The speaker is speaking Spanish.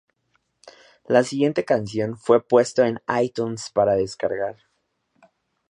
La siguiente canción fue puesto en iTunes para descargar.